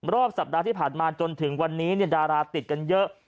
รอบสัปดาห์ที่ผ่านมาจนถึงวันนี้ดาราติดกันเยอะ